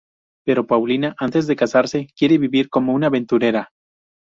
Pero Paulina, antes de casarse, quiere vivir como una aventurera.